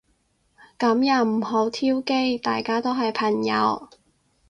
噉又唔好挑機。大家都係朋友